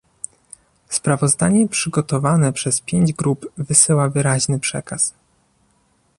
Sprawozdanie przygotowane przez pięć grup wysyła wyraźny przekaz